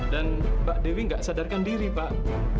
dan mbak dewi enggak sadarkan diri pak